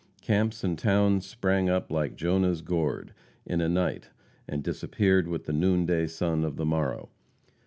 Camps and towns sprang up like Jonah's gourd in a night, and disappeared with the noonday sun of the morrow.